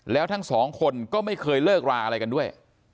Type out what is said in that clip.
แล้วทั้ง๒คนก็ไม่เคยเลิกลากันด้วย